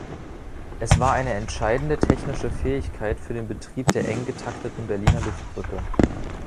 Es war eine entscheidende technische Fähigkeit für den Betrieb der eng getakteten Berliner Luftbrücke.